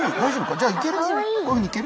じゃあいける？